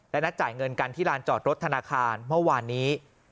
และนัดจ่ายเงินกันที่ลานจอดรถธนาคารเมื่อวานนี้